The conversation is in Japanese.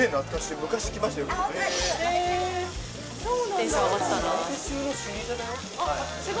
・テンション上がってたな。